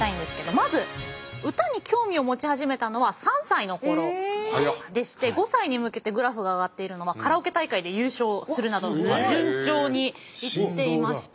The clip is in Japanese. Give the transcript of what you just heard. まず歌に興味を持ち始めたのは３歳の頃でして５歳に向けてグラフが上がっているのはカラオケ大会で優勝するなど順調にいっていました。